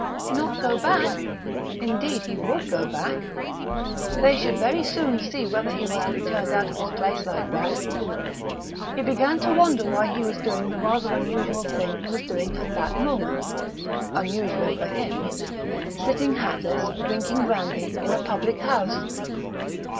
Not go back? Indeed, he would go back! They should very soon see whether he was to be turned out of his place like that! He began to wonder why he was doing the rather unusual thing he was doing at that moment, unusual for him sitting hatless, drinking brandy, in a public house.